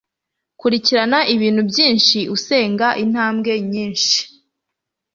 kurikirana ibintu byinshi, usenga intambwe nyinshi